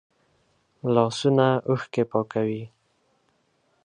لاسونه اوښکې پاکوي